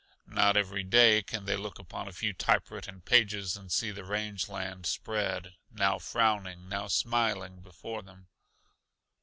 Not every day can they look upon a few typewritten pages and see the range land spread, now frowning, now smiling, before them.